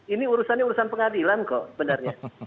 ini urusannya urusan pengadilan kok benarnya